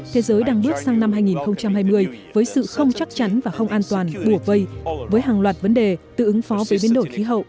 thế giới đang bước sang năm hai nghìn hai mươi với sự không chắc chắn và không an toàn bùa vây với hàng loạt vấn đề tự ứng phó với biến đổi khí hậu